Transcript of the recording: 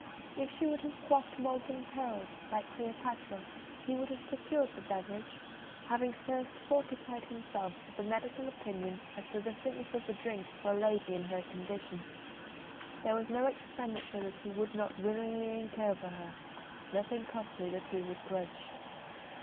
If she would have quaffed molten pearls, like Cleopatra, he would have procured the beverage, having first fortified himself with a medical opinion as to the fitness of the drink for a lady in her condition. There was no expenditure that he would not willingly incur for her, nothing costly that he would grudge.